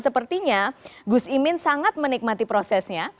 sepertinya gus imin sangat menikmati prosesnya